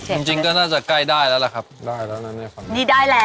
จริงจริงก็น่าจะใกล้ได้แล้วล่ะครับได้แล้วนะเนี่ยครับนี่ได้แล้ว